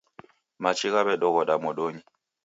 Machi ghawedoghoda modonyi